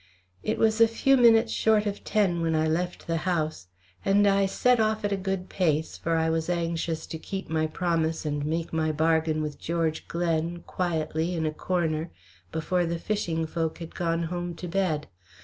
It was a few minutes short of ten when I left the house, and I set off at a good pace, for I was anxious to keep my promise and make my bargain with George Glen, quietly in a corner, before the fishing folk had gone home to bed.